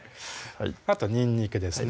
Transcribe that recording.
あとにんにくですね